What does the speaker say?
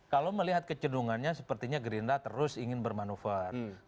kalau melihat kecedungannya sepertinya gerindra terus ingin bermanuver